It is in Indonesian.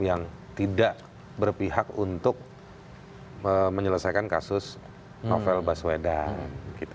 yang tidak berpihak untuk menyelesaikan kasus novel baswedan